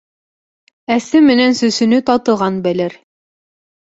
Әсе менән сөсөнө татыған белер